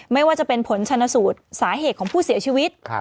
ไม่ว่าจะเป็นผลชนสูตรสาเหตุของผู้เสียชีวิต